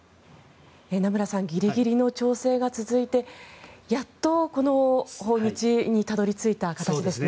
名村さんギリギリの調整が続いてやっとこの訪日にたどり着いた形ですね。